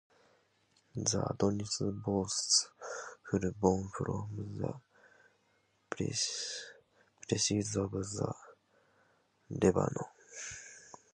The Adonis bursts full-born from the precipices of the Lebanon.